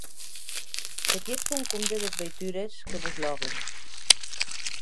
Que tietz bon compde des veitures que vos lòguen!